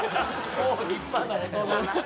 もう立派な大人